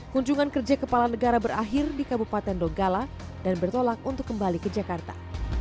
kunjungan kerja kepala negara berakhir di kabupaten donggala dan bertolak untuk kembali ke jakarta